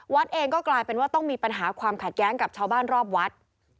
เองก็กลายเป็นว่าต้องมีปัญหาความขัดแย้งกับชาวบ้านรอบวัด